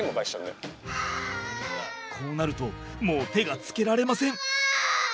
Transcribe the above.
こうなるともう手がつけられません。